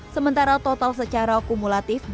sementara total secara akumulatif